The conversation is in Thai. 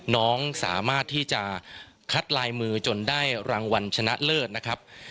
น้องสามารถที่จะคัดลายมือจนได้รางวัลชนะเลิศนะครับ